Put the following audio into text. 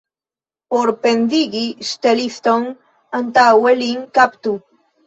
Por pendigi ŝteliston, antaŭe lin kaptu.